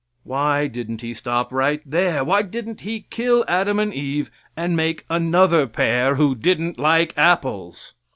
Why didn't He stop right there? Why didn't He kill Adam and Eve and make another pair who didn't like apples?